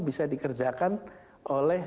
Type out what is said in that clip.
bisa dikerjakan oleh